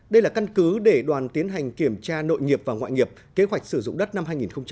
đây là căn cứ để đoàn tiến hành kiểm tra nội nghiệp và ngoại nghiệp kế hoạch sử dụng đất năm hai nghìn hai mươi